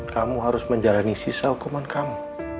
kamu harus menjalani sisa hukuman kamu